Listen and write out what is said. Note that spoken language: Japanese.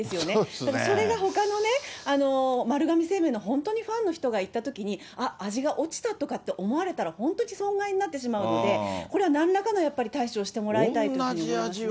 だからそれがほかのね、丸亀製麺の本当にファンの人が行ったときに、あ、味が落ちたとかって思われたら本当に損害になってしまうので、これはなんらかの、やっぱり対処をしてもらいたいと思いますね。